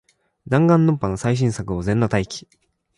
ダンガンロンパの最新作を、全裸待機